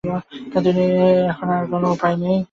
এখন আর কোনো উপায় নেই।